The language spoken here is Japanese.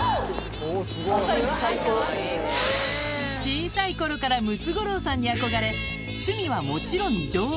小さい頃からムツゴロウさんに憧れ趣味はもちろん乗馬